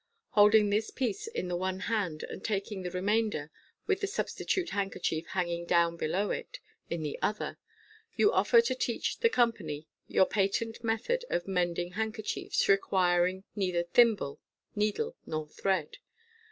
Holding this piece in the one hand, and taking the remainder, with the substitute handkerchief hanging down below it, in the other, you offer to teach the company your patent method of mending handkerchiefs, requiring neither thimble, needle, nor thread.